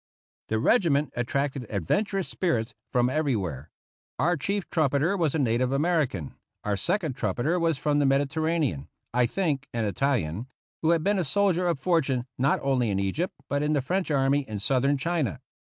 The regiment attracted adventurous spirits from everywhere. Our chief trumpeter was a native American, our second trumpeter was from the Mediterranean — I think an Italian — who had been a soldier of fortune not only in Egypt, but in the French Army in Southern China.